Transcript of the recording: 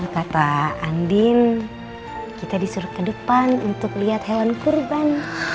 kata andin kita disuruh ke depan untuk lihat hewan kurban